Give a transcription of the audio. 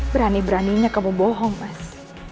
berani beraninya kamu bohong mas